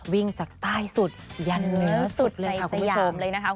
วิ่งจากใต้สุดยันเหนือสุดเลยค่ะคุณผู้ชม